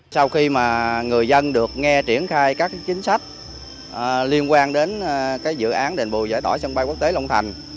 sau khi mà người dân được nghe triển khai các chính sách liên quan đến dự án đền bù giải tỏa sân bay quốc tế long thành